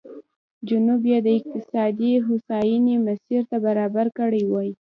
جنوب یې د اقتصادي هوساینې مسیر ته برابر کړی وای.